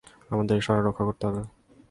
আমাদের এই শহরের রক্ষা করতে হবে।